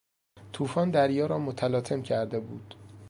توفان دریا را متلاطم کرده بود.